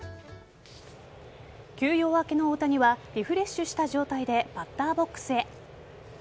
休養明けの大谷はリフレッシュした状態でバッターボックスへ。